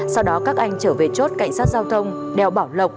sau đó các anh trở về chốt cảnh sát giao thông đèo bảo lộc